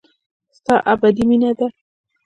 ستا ابدي مينه ده.